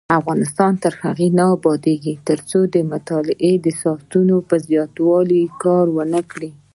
افغانستان تر هغو نه ابادیږي، ترڅو د مطالعې د ساعتونو په زیاتوالي کار ونکړو.